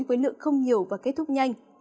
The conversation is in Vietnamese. với lượng không nhiều và kết thúc nhanh